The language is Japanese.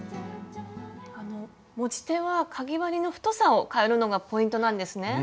持ち手はかぎ針の太さをかえるのがポイントなんですね。